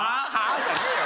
じゃねえよ